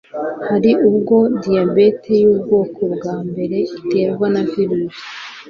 Hari ubwo diyabete y'ubwoko bwa mbere iterwa na virusi